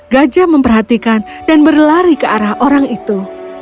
gajah memperhatikan dan berlari ke arah orang itu